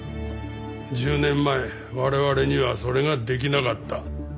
１０年前我々にはそれができなかった。